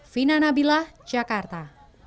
vina nabilah jakarta